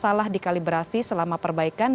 salah dikalibrasi selama perbaikan